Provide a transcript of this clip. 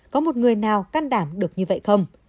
có một người nào căn đảm được như vậy không